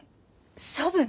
処分？